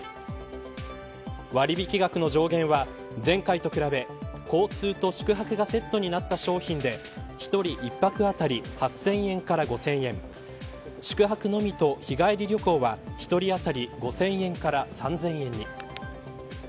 割引額の上限は前回と比べ交通と宿泊がセットになった商品で１人１泊あたり８０００円から５０００円宿泊のみと日帰り旅行は１人当たり５０００円から３０００円に。